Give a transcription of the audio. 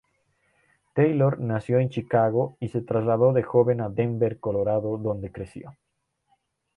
Taylor nació en Chicago y se trasladó de joven a Denver, Colorado donde creció.